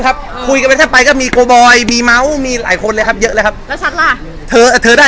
แต่ผมว่าถ้าเกิดชวนเขาว่างเขาน่าจะไป